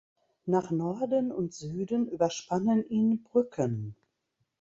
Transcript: Nach Norden und Süden überspannen ihn Brücken.